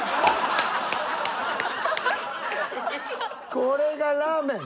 これがラーメン。